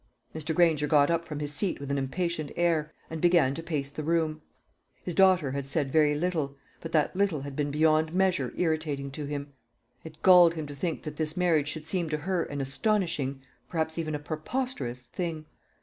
Mr. Granger got up from his seat with an impatient air, and began to pace the room. His daughter had said very little, but that little had been beyond measure irritating to him. It galled him to think that this marriage should seem to her an astonishing perhaps even a preposterous thing.